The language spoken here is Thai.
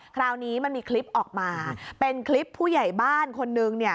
คราวนี้มันมีคลิปออกมาเป็นคลิปผู้ใหญ่บ้านคนนึงเนี่ย